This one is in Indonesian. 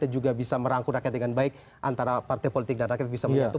dan juga bisa merangkul rakyat dengan baik antara partai politik dan rakyat bisa menyentuh